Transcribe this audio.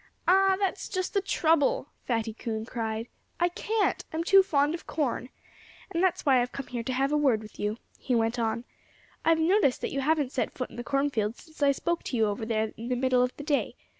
"Ah! That's just the trouble!" Fatty Coon cried. "I can't! I'm too fond of corn. And that's why I've come here to have a word with you," he went on. "I've noticed that you haven't set foot in the cornfield since I spoke to you over there in the middle of the day.